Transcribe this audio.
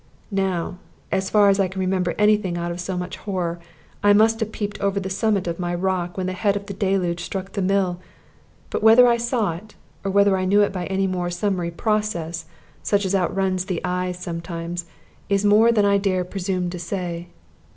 Now, as far as I can remember any thing out of so much horror, I must have peeped over the summit of my rock when the head of the deluge struck the mill. But whether I saw it, or whether I knew it by any more summary process, such as outruns the eyes sometimes, is more than I dare presume to say.